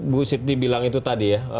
bu siti bilang itu tadi ya